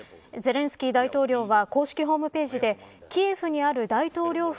ゼレンスキー大統領は公式ホームページでキエフにある大統領